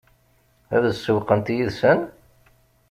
Ad sewweqent yid-sen?